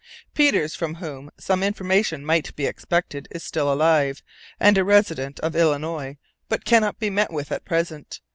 Peters, from whom some information might be expected, is still alive, and a resident of Illinois, but cannot be met with at present.